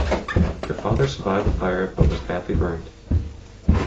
Her father survived the fire but was badly burned.